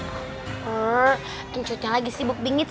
oh itu gue bangat ting ambil pedang ah